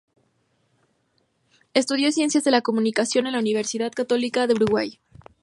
Estudió ciencias de la comunicación en la Universidad Católica del Uruguay.